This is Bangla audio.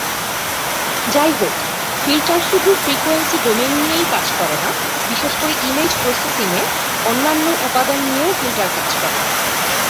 যাইহোক, ফিল্টার শুধু ফ্রিকোয়েন্সি ডোমেইন নিয়েই কাজ করে না, বিশেষ করে ইমেজ প্রোসেসিং-এ অন্যান্য উপাদান নিয়েও ফিল্টার কাজ করে।